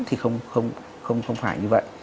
thì không phải như vậy